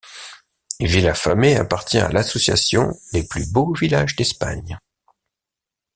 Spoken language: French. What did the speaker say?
Vilafamés appartient à l'association Les Plus Beaux Villages d'Espagne.